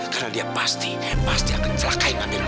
karena dia pasti akan mencelakai amira lagi